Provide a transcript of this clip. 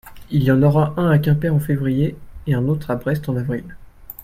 il y en aura un à Quimper en février et un autre à Brest en avril.